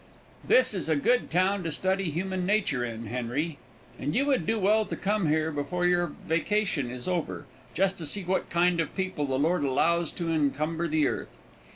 This is a good town to study human nature in, Henry, and you would do well to come here before your vacation is over, just to see what kind of people the Lord allows to encumber the earth.